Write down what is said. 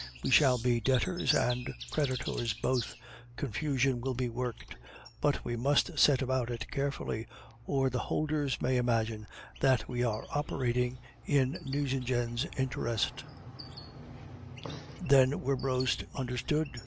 We shall be debtors and creditors both; confusion will be worked! But we must set about it carefully, or the holders may imagine that we are operating in Nucingen's interests.' "Then Werbrust understood.